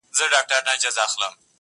ظالمه زمانه ده جهاني له چا به ژاړو،